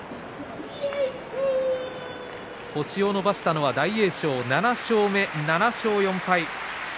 星を伸ばしたのは大栄翔７勝目、７勝４敗。